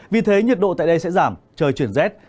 vì thế nhiệt độ tại đây sẽ giảm trời chuyển rét